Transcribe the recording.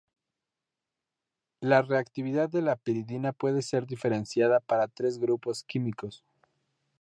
La reactividad de la piridina puede ser diferenciada para tres grupos químicos.